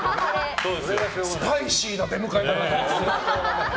スパイシーな出迎えだなと思って。